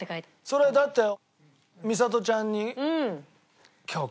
それはだってみさとちゃんに。